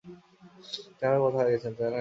তাঁহারা কোথায় গেছেন জানেন?